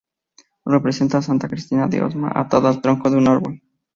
Representa a Santa Cristina de Osma, atada al tronco de un árbol.